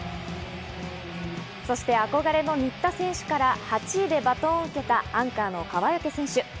そして、憧れの新田選手から８位でバトンを受けたアンカーの川除選手。